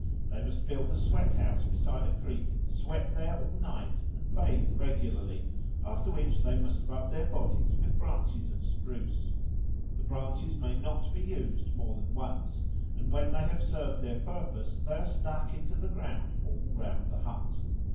They must build a sweat house beside a creek, sweat there all night and bathe regularly, after which they must rub their bodies with branches of spruce. The branches may not be used more than once, and when they have served their purpose they are stuck into the ground all round the hut.